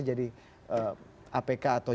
jadi apk atau